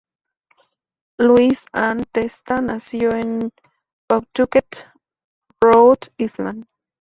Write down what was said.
Lois Ann Testa nació en Pawtucket, Rhode Island.